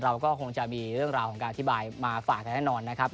เราก็คงจะมีเรื่องราวของการอธิบายมาฝากแต่แน่นอนนะครับ